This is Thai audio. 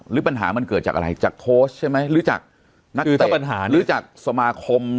หรือปัญหามันเกิดจากอะไรจากโค้ชใช่ไหมหรือจากนักเตะปัญหาหรือจากสมาคม